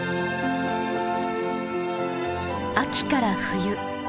秋から冬。